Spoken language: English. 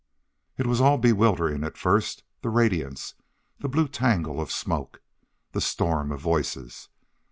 It was all bewildering at first; the radiance, the blue tangle of smoke, the storm of voices.